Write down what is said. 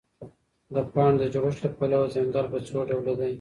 د پاڼو د جوړښت له پلوه ځنګل په څوډوله دی؟